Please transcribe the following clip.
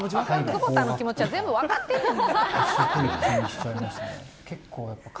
窪田の気持ちは全部わかってんねん。